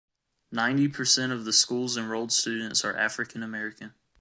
Ninety percent of the school's enrolled students are African-American.